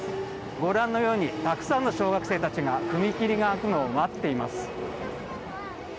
ご覧のようにたくさんの小学生たちが踏切が開くのを待っています。